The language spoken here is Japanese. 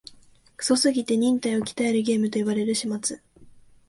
クソすぎて忍耐を鍛えるゲームと言われる始末